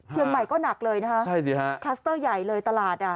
เชียงใหม่ก็หนักเลยนะครับคัสเตอร์ใหญ่เลยตลาด